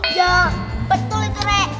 iya betul itu rek